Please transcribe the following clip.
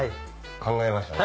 考えましたね。